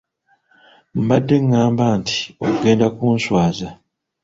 Mbadde ng'amba nti ogenda kunswaza.